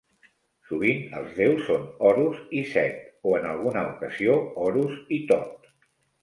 Sovint els deus són Horus i Set, o en alguna ocasió Horus i Thoth.